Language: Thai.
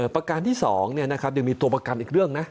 ประการที่๒ตัวประการอีกเรื่อง